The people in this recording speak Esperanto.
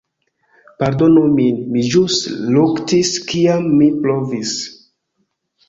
Pardonu min, mi ĵus ruktis kiam mi provis.